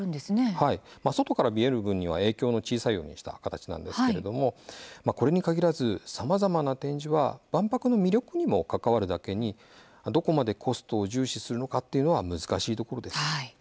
外から見える分には影響の小さいような形なんですけれどもこれに限らずさまざまな展示が万博の魅力にも関わるだけにどこまでコストを重視するのかというところが難しいところです。